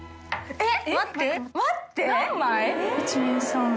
えっ？